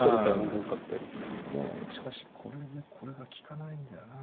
どうもしかしこれでこれが利かないんだよな。